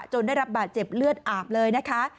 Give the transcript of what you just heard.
ได้รับบาดเจ็บเลือดอาบเลยนะคะ